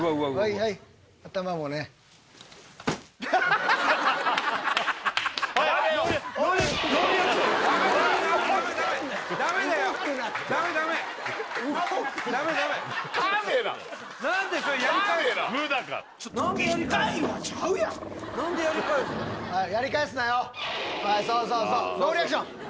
はいそうそうそうノーリアクション！